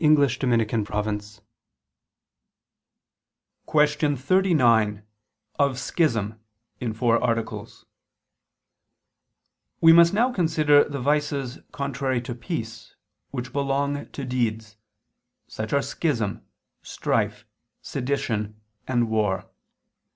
_______________________ QUESTION 39 OF SCHISM (In Four Articles) We must now consider the vices contrary to peace, which belong to deeds: such are schism, strife, sedition, and war.